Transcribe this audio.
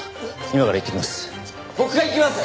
今から行ってきます。